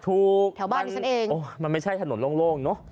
ถูกมันไม่ใช่ถนนโล่งเนาะ